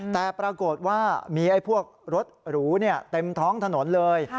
แต่ปรากฏว่ามีพวกรถหรูเต็มท้องถนนเลย